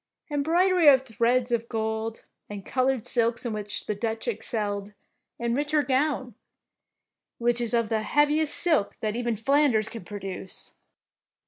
Embroidery of threads of gold and col oured silks in which the Dutch excelled, enrich her gown, which is of the heav iest silk that even Flanders can pro duce.